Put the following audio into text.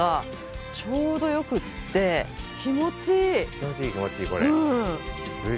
気持ちいい気持ちいいこれ。